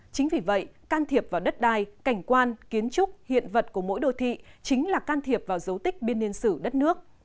chính vì vậy can thiệp vào đất đai cảnh quan kiến trúc hiện vật của mỗi đô thị chính là can thiệp vào dấu tích biên niên sử đất nước